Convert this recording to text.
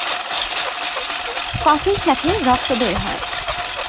কফের সাথে রক্ত বের হয়।